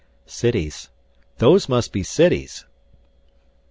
"Cities those must be cities!"